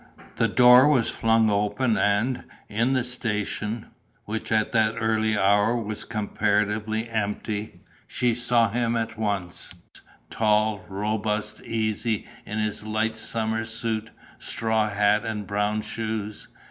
The door was flung open and, in the station, which at that early hour was comparatively empty, she saw him at once: tall, robust, easy, in his light summer suit, straw hat and brown shoes.